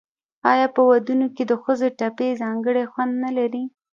آیا په ودونو کې د ښځو ټپې ځانګړی خوند نلري؟